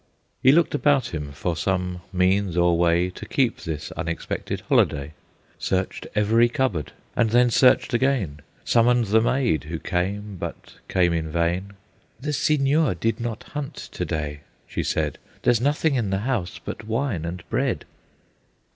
He looked about him for some means or way To keep this unexpected holiday; Searched every cupboard, and then searched again, Summoned the maid, who came, but came in vain; "The Signor did not hunt to day," she said, "There's nothing in the house but wine and bread."